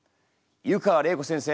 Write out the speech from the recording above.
湯川れい子先生